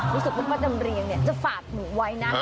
รู้สึกว่ามดดำเรียงจะฝากหนูไว้นะ